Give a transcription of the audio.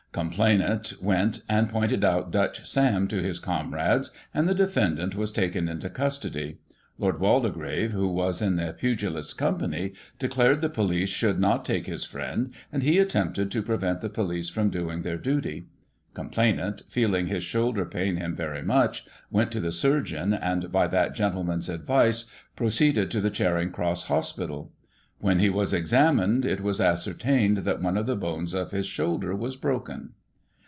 Com plainant went and pointed out Dutch Sam to his comrades, and the defendant was taken into custody. Lord Waldegrave, who was in the pugilist's company, declared the police should not take his friend, and he attempted to prevent the police from doing their duty. Complainant, feeling his shoulder pain him very much, went to the surgeon, and, by that gentle man's advice, proceeded to the Charing Cross Hospital. When he was examined, it was ascertained that one of the bones of his shoulder was broken.